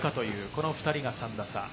この２人が３打差。